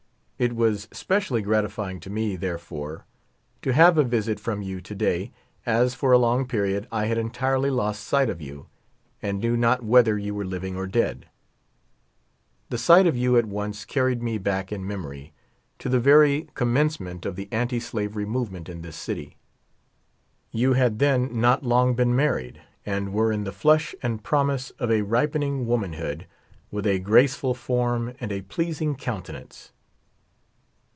It was specially gratifying to me, tlierefore, to have a visit from yon to day, as for a long period I had entirely lost sight of yon, and knew not whether you were living or dead. The sight of you at once carried me back in memory to the very com mencement of the anti slavery movement in this city. You had then not long been married, and were in the flush and promise of a ripening womanhood, with a graceful form and a pleasing countenance.